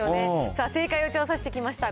さあ、正解を調査してきました。